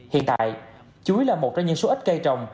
hiện tại chuối là một trong những số ít cây trồng